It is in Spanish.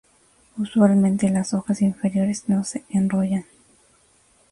Usualmente, las hojas inferiores no se enrollan.